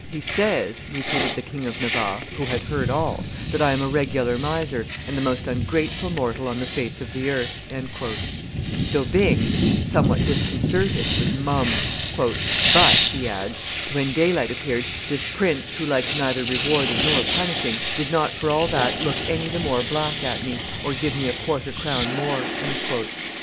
"He says," repeated the King of Navarre, who had heard all, that I am a regular miser, and the most ungrateful mortal on the face of the earth." D'Aubigne, somewhat disconcerted, was mum. "But," he adds, "when daylight appeared, this prince, who liked neither rewarding nor punishing, did not for all that look any the more black at me, or give me a quarter crown more."